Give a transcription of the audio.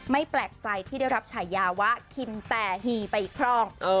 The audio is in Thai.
แปลกใจที่ได้รับฉายาว่าคิมแต่ฮีไปอีกครั้ง